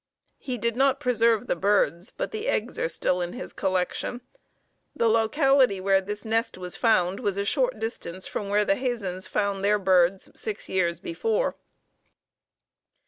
He did not preserve the birds, but the eggs are still in his collection. The locality where this nest was found was a short distance from where the Hazens found their birds six years before.